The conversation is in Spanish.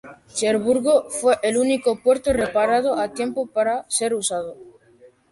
Cherburgo fue el único puerto reparado a tiempo para ser usado.